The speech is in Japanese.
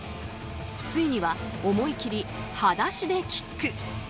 ついには思い切り裸足でキック。